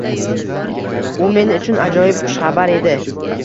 Bu men uchun ajoyib xushxabar edi.